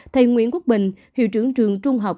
thầy nguyễn quốc bình hiệu trưởng trường trung học